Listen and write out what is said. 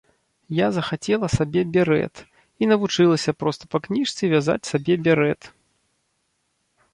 Я захацела сабе берэт і навучылася проста па кніжцы вязаць сабе берэт.